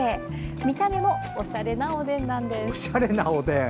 見た目もおしゃれなおでんなんです。